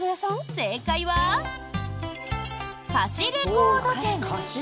正解は貸しレコード店。